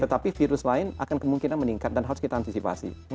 tetapi virus lain akan kemungkinan meningkat dan harus kita antisipasi